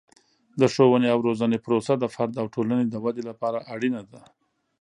د ښوونې او روزنې پروسه د فرد او ټولنې د ودې لپاره اړینه ده.